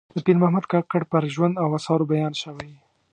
د پیر محمد کاکړ پر ژوند او آثارو بیان شوی.